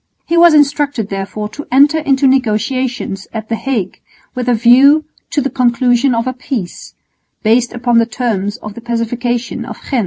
He was instructed therefore to enter into negotiations at the Hague with a view to the conclusion of a peace, based upon the terms of the Pacification of Ghent.